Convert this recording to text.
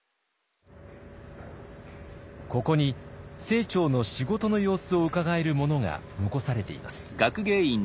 ここに清張の仕事の様子をうかがえるものが残されています。